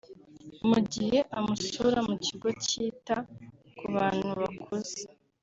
mu gihe amusura mu kigo kita ku bantu bakuze